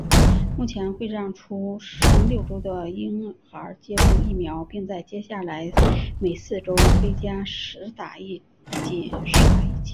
目前会让出生六周的婴孩接种疫苗并在接下来每四周追加施打一剂。